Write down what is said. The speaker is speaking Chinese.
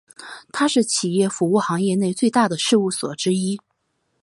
它是企业服务行业内最大的事务所之一。